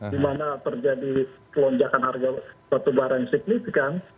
dimana terjadi kelonjakan harga batubara yang signifikan